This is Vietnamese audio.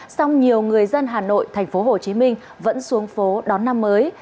song nhiều người dân hà nội tp hcm vẫn xuống phố đón năm mới